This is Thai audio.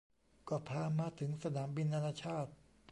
ก็พามาถึงสนามบินนานาชาติ